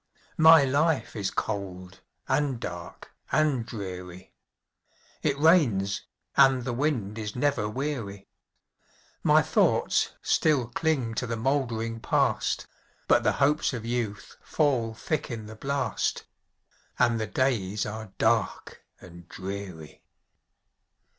My life is cold, and dark, and dreary; It rains, and the wind is never weary; My thoughts still cling to the moldering Past, But the hopes of youth fall thick in the blast, And the days are dark and dreary.